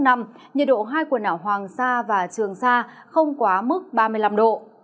nhiệt độ hai quần đảo hoàng sa và trường sa không quá mức ba mươi năm độ